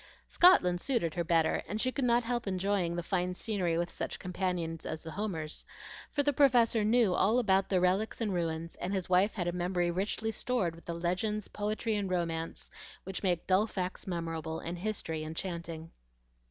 Scotland suited her better, and she could not help enjoying the fine scenery with such companions as the Homers; for the Professor knew all about the relics and ruins, and his wife had a memory richly stored with the legends, poetry, and romance which make dull facts memorable and history enchanting.